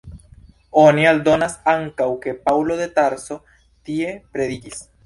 Oni aldonas ankaŭ ke Paŭlo de Tarso tie predikis.